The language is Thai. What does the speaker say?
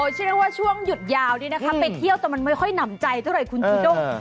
เชื่อว่าช่วงหยุดยาวนี้นะคะไปเที่ยวแต่มันไม่ค่อยหนำใจเท่าไหร่คุณจูด้ง